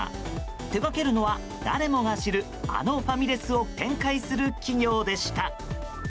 手がけるのは誰もが知るあのファミレスを展開する企業でした。